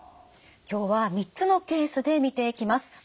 今日は３つのケースで見ていきます。